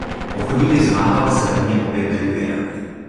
Po chvíli vzmáhala se ve mně opět nedůvěra.